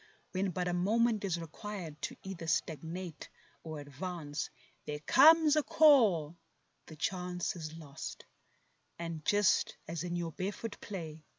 When but a moment is required to either stagnate or advance; There comes a call; the chance is lost, and just as in your barefoot play.